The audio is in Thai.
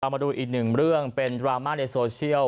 มาดูอีกหนึ่งเรื่องเป็นดราม่าในโซเชียล